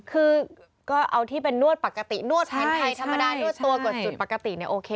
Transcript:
คือก็เอาที่เป็นนวดปกตินวดแผนไทยธรรมดานวดตัวกดจุดปกติเนี่ยโอเค